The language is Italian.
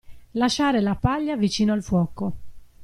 Lasciare la paglia vicino al fuoco.